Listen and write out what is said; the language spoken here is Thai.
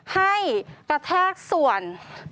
ให้กระแทกส่วน